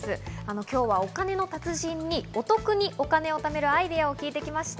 今日はお金の達人にお得にお金を貯めるアイデアを聞いてきました。